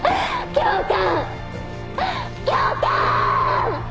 教官！！